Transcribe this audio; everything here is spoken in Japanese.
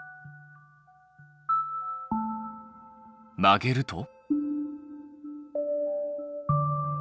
曲げると？